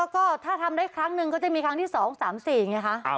ก็ถ้าทำได้ครั้งหนึ่งก็จะมีครั้งที่๒๓๔ไงคะ